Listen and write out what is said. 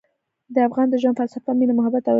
د افغان د ژوند فلسفه مینه، محبت او عزت دی.